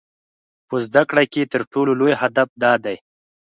په زده کړه کې تر ټولو لوی هدف دا دی.